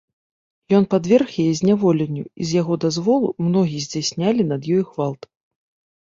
Ён падверг яе зняволенню, і з яго дазволу многія здзяйснялі над ёй гвалт.